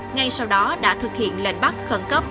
ngay sau đó đã thực hiện lệnh bắt khẩn cấp